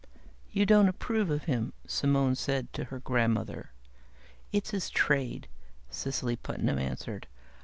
"You don't approve of him," Simone said to her grandmother. "It's his trade," Cecily Putnam answered.